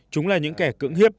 chúng là những kẻ cưỡng hiếp